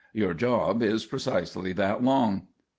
Your job is precisely that long."